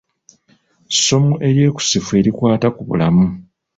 Ssomo eryekusifu erikwata ku bulamu.